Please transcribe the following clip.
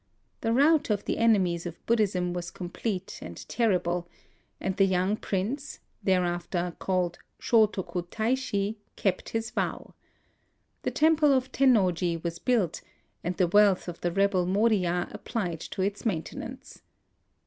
The rout of the 154 IN OSAKA enemies of Buddhism was complete and ter rible ; and the young prince, thereafter called Shotoku Taishi, kept his vow. The temple of Tennoji was built, and the wealth of the rebel Moriya applied to its maintenance.